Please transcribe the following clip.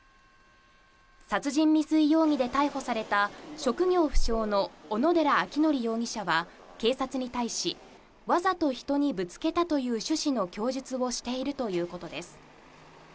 殺人未遂容疑で逮捕された職業不詳の小野寺章仁容疑者は警察に対し、わざと人にぶつけたという趣旨の供述をしているということです。